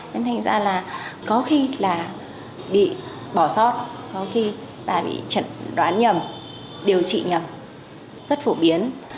nên thành ra là có khi là bị bỏ sót có khi là bị chẩn đoán nhầm điều trị nhầm rất phổ biến